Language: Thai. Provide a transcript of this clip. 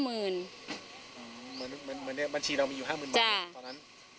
เหมือนในบัญชีเรามีอยู่๕๐๐๐บาทเองตอนนั้น